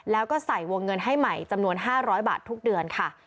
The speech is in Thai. แล้วก็ใส่วงเงินให้ใหม่จำนวน๕๐๐บาททุกเดือนค่ะ